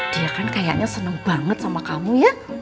dia kan kayaknya seneng banget sama kamu ya